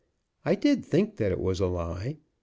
I did think that it was a lie.